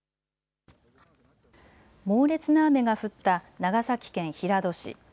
猛烈な雨が降った長崎県平戸市。